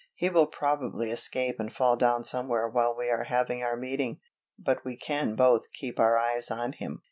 He will probably escape and fall down somewhere while we are having our meeting, but we can both keep our eyes on him."